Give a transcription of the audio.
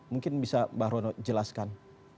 mungkin bisa mbah rono jelaskan